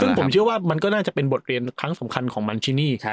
ซึ่งผมเชื่อว่ามันก็น่าจะเป็นบทเรียนครั้งสำคัญของมันที่นี่